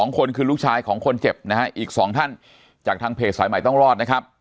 ๒คนคือลูกชายของคนเจ็บนะฮะอีก๒ท่านจากทางเพจสายใหม่ต้องรอดนะครับ